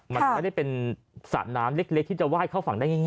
มันไม่ได้เป็นสระน้ำเล็กที่จะไห้เข้าฝั่งได้ง่าย